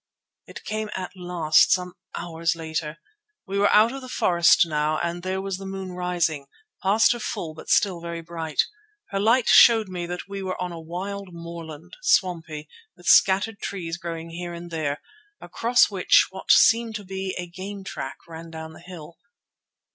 It came at last some hours later. We were out of the forest now, and there was the moon rising, past her full but still very bright. Her light showed me that we were on a wild moorland, swampy, with scattered trees growing here and there, across which what seemed to be a game track ran down hill.